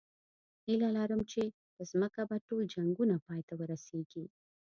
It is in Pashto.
هیله لرم چې په ځمکه به ټول جنګونه پای ته ورسېږي